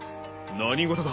何事だ？